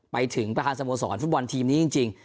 ไปถึงประธานสโมสรฟุตบอลทีมนี้จริง